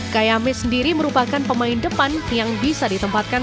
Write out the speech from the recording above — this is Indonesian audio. kayame sendiri merupakan pemain depan yang bisa ditempatkan